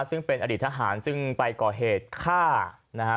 ซึ่งเป็นอดีตทหารซึ่งไปก่อเหตุฆ่านะฮะ